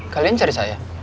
kalian cari saya